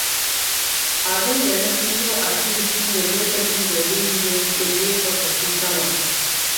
Abinda na fi so a fim shine lokacin da biri ya jefa kashi sama.